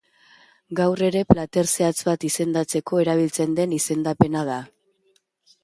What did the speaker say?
Gaur egun plater zehatz bat izendatzeko erabiltzen den izendapena da.